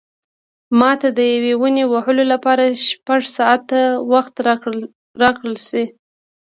که ماته د یوې ونې وهلو لپاره شپږ ساعته وخت راکړل شي.